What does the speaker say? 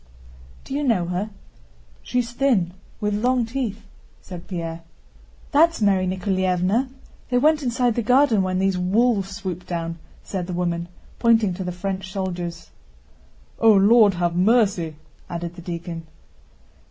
"Do you know her? She's thin, with long teeth," said Pierre. "That's Mary Nikoláevna! They went inside the garden when these wolves swooped down," said the woman, pointing to the French soldiers. "O Lord, have mercy!" added the deacon.